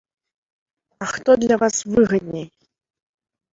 А хто для вас выгадней?